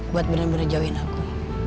buat bener bener jauhin aku